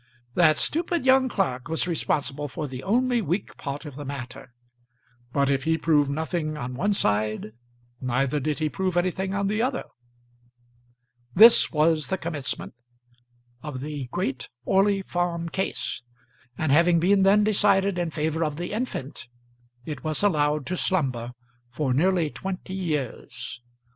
That stupid young clerk was responsible for the only weak part of the matter; but if he proved nothing on one side, neither did he prove anything on the other. This was the commencement of the great Orley Farm Case, and having been then decided in favour of the infant it was allowed to slumber for nearly twenty years.